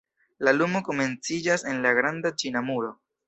La ludo komenciĝas en la Granda Ĉina Muro.